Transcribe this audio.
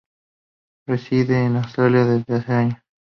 Reside en Asturias desde hace años.